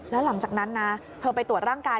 แล้วหลังจากนั้นนะเธอไปตรวจร่างกาย